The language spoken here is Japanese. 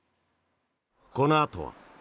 このあとは。